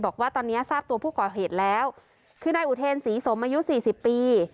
บอกว่าตอนนี้ทราบตัวผู้ก่อเหตุแล้วคือนายอุเทนศรีสมอายุสี่สิบปี